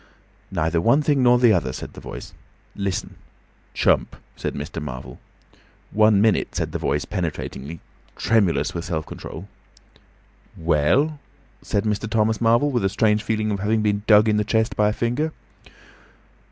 "Neither one thing nor the other," said the Voice. "Listen!" "Chump," said Mr. Marvel. "One minute," said the Voice, penetratingly, tremulous with self control. "Well?" said Mr. Thomas Marvel, with a strange feeling of having been dug in the chest by a finger.